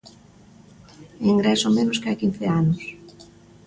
Ingreso menos que hai quince anos.